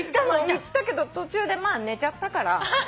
行ったけど途中でまあ寝ちゃったから。